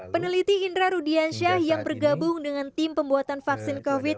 peneliti indra rudiansyah yang bergabung dengan tim pembuatan vaksin covid sembilan belas